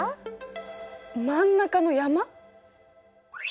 真ん中の山？